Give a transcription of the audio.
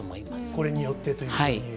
これによってというふうに。